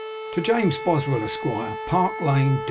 'TO JAMES BOSWELL, ESQ. Park Lane, Dec.